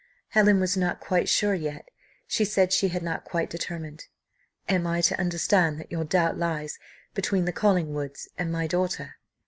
Helen was not quite sure yet, she said she had not quite determined. "Am I to understand that your doubt lies between the Collingwoods and my daughter?"